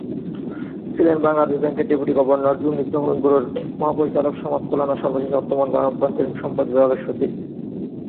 ছিলেন বাংলাদেশ ব্যাংকের deputy governor, দুর্নীতি দমন ব্যুরোর মহাপরিচালক, সমাজ কল্যাণ ও সর্বশেষ অর্থ মন্ত্রণালয়ের আভ্যন্তরীন সম্পদ বিভাগের সচিব।